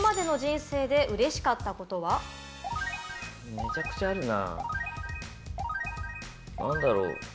めちゃくちゃあるな。